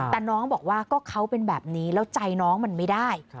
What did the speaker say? แต่น้องบอกว่าก็เขาเป็นแบบนี้แล้วใจน้องมันไม่ได้